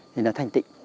thì nó thanh tịnh